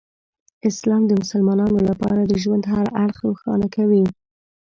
اسلام د مسلمانانو لپاره د ژوند هر اړخ روښانه کوي.